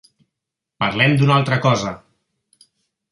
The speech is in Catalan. Parlem d'una altra cosa.